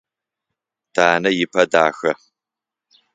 Данэ ыпэ дахэ.